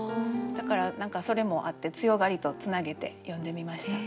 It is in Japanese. だからそれもあって強がりとつなげて詠んでみました。